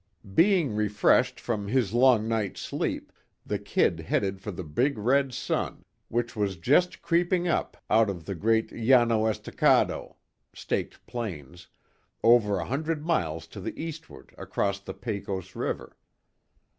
Being refreshed from his long night's sleep, the "Kid" headed for the big red sun, which was just creeping up out of the great "Llano Estacado," (Staked Plains), over a hundred miles to the eastward, across the Pecos river.